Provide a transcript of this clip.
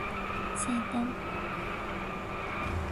晴天